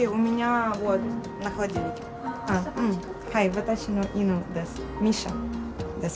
私の犬です。